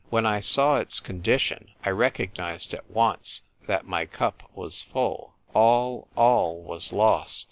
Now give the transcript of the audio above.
When I saw its condition, I recognised at once that my cup was full. All, all was lost.